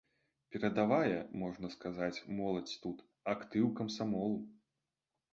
Перадавая, можна сказаць, моладзь тут, актыў камсамолу.